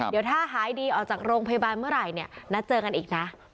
เดี๋ยวถ้าหายดีออกจากโรงพยาบาลเมื่อไหร่เนี่ยนัดเจอกันอีกนะ